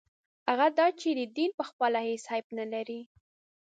هغه دا دی چې دین پخپله هېڅ عیب نه لري.